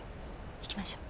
行きましょう。